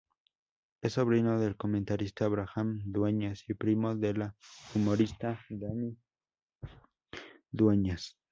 Es sobrino del comentarista Abraham Dueñas, y primo de la humorista Jani Dueñas.